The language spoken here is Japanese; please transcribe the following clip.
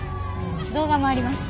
動画もあります。